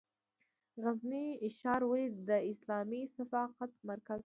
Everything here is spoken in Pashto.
غزني ښار ولې د اسلامي ثقافت مرکز و؟